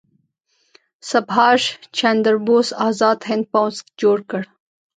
سبهاش چندر بوس ازاد هند پوځ جوړ کړ.